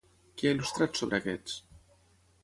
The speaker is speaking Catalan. Què ha il·lustrat sobre aquests?